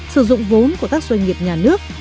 sử dụng vốn của các doanh nghiệp nhà nước